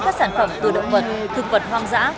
các sản phẩm từ động vật thực vật hoang dã